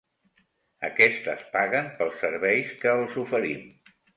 Aquestes paguen pels serveis que els oferim.